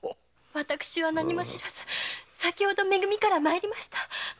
私は何も知らず先程め組から参りました。